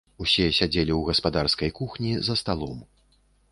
Усе сядзелі ў гаспадарскай кухні за сталом.